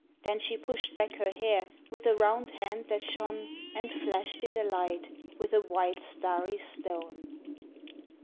Then she pushed back her hair with a round hand that shone And flashed in the light with a white starry stone.